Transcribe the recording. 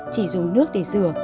chỉ dùng nước để rửa